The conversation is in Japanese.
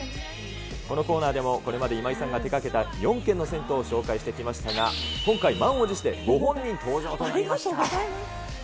このコーナーでもこれまで今井さんが手がけた４軒の銭湯を紹介してきましたが、今回、満を持してご本人登場となりました。